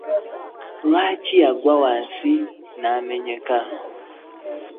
Lwaki yagwa wansi n'amenyeka?